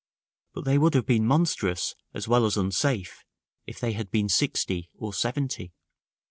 But they would have been monstrous, as well as unsafe, if they had been sixty or seventy.